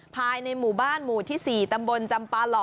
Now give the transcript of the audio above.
ภายในหมู่บ้านหมู่ที่๔ตำบลจำปาหล่อ